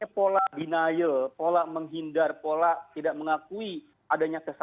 pola denial pola menghindar pola tidak mengakui adanya kesalahan